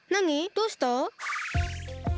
どうした？